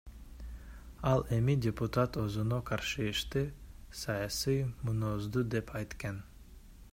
Ал эми депутат өзүнө каршы ишти саясий мүнөздүү деп айткан.